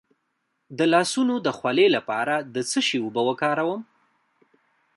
د لاسونو د خولې لپاره د څه شي اوبه وکاروم؟